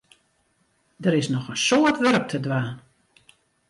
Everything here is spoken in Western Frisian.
Der is noch in soad wurk te dwaan.